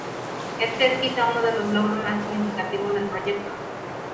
Este es quizá uno de los logros más significativos del proyecto.